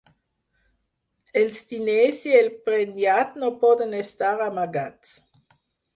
Els diners i el prenyat no poden estar amagats.